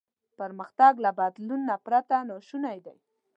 پرمختګ له بدلون پرته ناشونی دی.